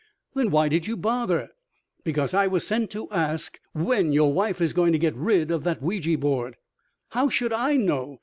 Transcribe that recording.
"Then why did you bother?" "Because I was sent to ask when your wife is going to get rid of that Ouija board." "How should I know!